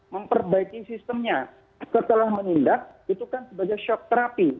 memperbaiki sistemnya setelah menindak itu kan sebagai shock therapy